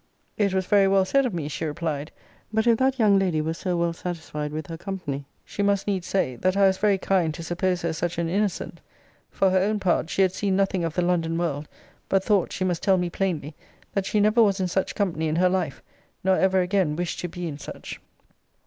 It was very well said of me, she replied: but if that young lady were so well satisfied with her company, she must needs say, that I was very kind to suppose her such an innocent for her own part, she had seen nothing of the London world: but thought, she must tell me plainly, that she never was in such company in her life; nor ever again wished to be in such.